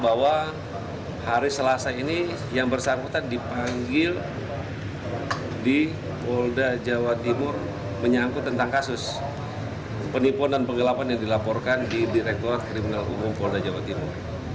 bahwa hari selasa ini yang bersangkutan dipanggil di polda jawa timur menyangkut tentang kasus penipuan dan penggelapan yang dilaporkan di direkturat kriminal umum polda jawa timur